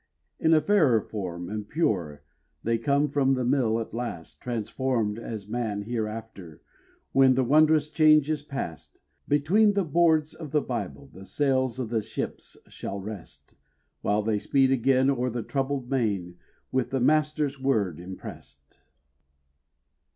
In a fairer form, and purer, They come from the mill at last, Transformed, as man hereafter, When the wondrous change is past. Between the boards of the Bible The sails of the ships shall rest, While they speed again o'er the troubled main With the Master's Word impressed.